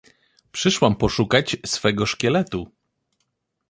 Przyszłam poszukać swego szkieletu.